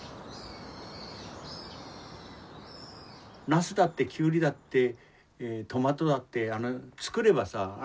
ナスだってキュウリだってトマトだって作ればさ。